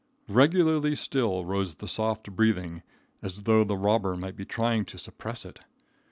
Regularly still rose the soft breathing, as though the robber might be trying to suppress it.